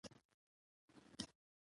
افغانستان په پامیر غني دی.